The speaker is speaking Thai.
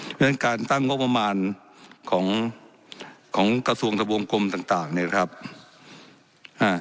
เพราะฉะนั้นการตั้งงบประมาณของของกระทรวงทะวงกลมต่างต่างเนี้ยนะครับอ่า